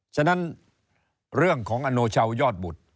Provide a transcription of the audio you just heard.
ฉะนั้นเรื่องของอโนชาวยอดบุตร